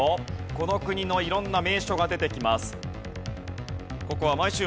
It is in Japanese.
この国の色んな名所が出てきます。